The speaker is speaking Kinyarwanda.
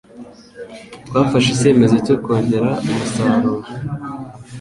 Twafashe icyemezo cyo kongera umusaruro